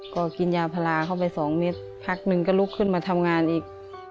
ก็กินยาพลาเข้าไป๒เม็ดพักหนึ่งก็ลุกขึ้นมาทำงานอีก